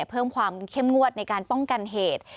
เพิ่มความเข้มงวดในการป้องกันเหตุ